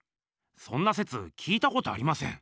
そんなせつ聞いたことありません。